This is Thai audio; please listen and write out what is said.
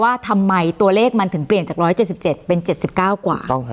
ว่าทำไมตัวเลขมันถึงเปลี่ยนจากร้อยเจ็ดสิบเก้าเป็นเจ็ดสิบเก้ากว่า